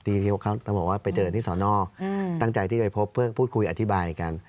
ที่เขาต้องบอกว่าไปเจอที่สอนอตั้งใจที่ไปพบเพื่อพูดคุยอธิบายกัน